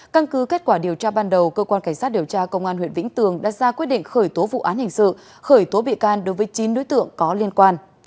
căn cứ kết quả điều tra ban đầu cơ quan cảnh sát điều tra công an huyện vĩnh tường đã ra quyết định khởi tố vụ án hình sự khởi tố bị can đối với chín đối tượng có liên quan